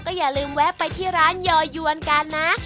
อย่าลืมแวะไปที่ร้านยอยวนกันนะ